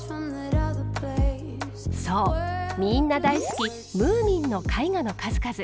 そうみんな大好きムーミンの絵画の数々。